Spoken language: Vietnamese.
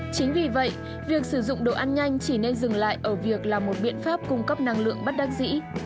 chính vì vậy việc sử dụng đồ ăn nhanh chỉ nên dừng lại ở việc là một biện pháp cung cấp năng lượng bất đắc dĩ